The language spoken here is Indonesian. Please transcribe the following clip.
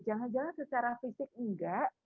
jangan jangan secara fisik enggak